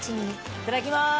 いただきます。